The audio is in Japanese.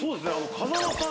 風間さん。